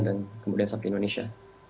dan kemudian sampai indonesia